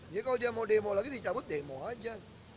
jadi kalau dia mau demo lagi dicabut demo aja